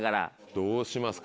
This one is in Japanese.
どうしますか？